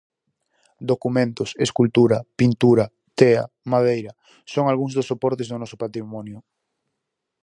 Documentos, escultura, pintura, tea, madeira... son algúns dos soportes do noso patrimonio.